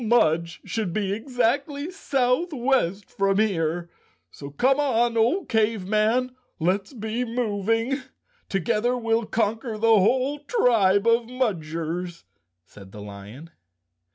"Mudge should be exactly southwest from here, so come on, old Cave Man, let's be moving. Together we'll conquer the whole tribe of Mudgers," said the lion.